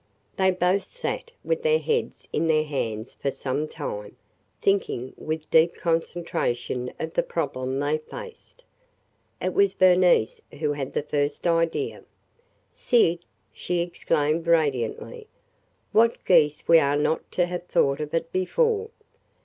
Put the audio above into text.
They both sat with their heads in their hands for some time, thinking with deep concentration of the problem they faced. It was Bernice who had the first idea. "Syd!" she exclaimed radiantly, "what geese we are not to have thought of it before!